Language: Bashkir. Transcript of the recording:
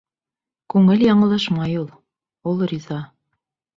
Күңел яңылышмай ул. Ул риза.